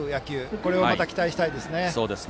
これをまた期待したいですね。